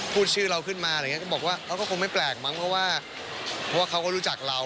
พูดชื่อเราขึ้นมาก็บอกว่าก็คงไม่แปลกมั้งเพราะว่าเขาก็รู้จักเรา